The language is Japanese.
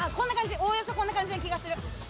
おおよそこんな感じな気がする。